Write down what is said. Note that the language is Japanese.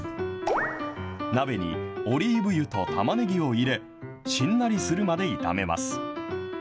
鍋にオリーブ油とたまねぎを入れ、しんなりするまで炒めます。